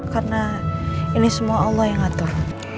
karena ini semua allah yang ngatur